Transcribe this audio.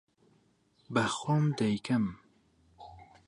بە خۆم دەیکەم.